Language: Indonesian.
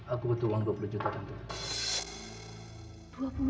aku butuh uang dua puluh juta untuk